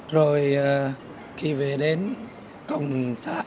rồi khi về đến công an